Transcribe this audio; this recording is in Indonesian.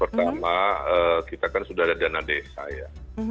pertama kita kan sudah ada dana desa ya